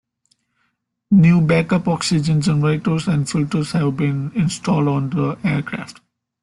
New backup oxygen generators and filters have been installed on the aircraft.